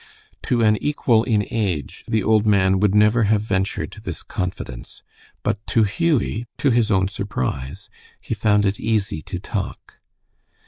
To an equal in age the old man would never have ventured this confidence, but to Hughie, to his own surprise, he found it easy to talk.